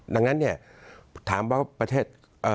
ดังนั้นเนี่ยถามว่าประเทศ